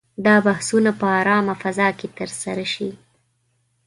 دا بحثونه په آرامه فضا کې ترسره شي.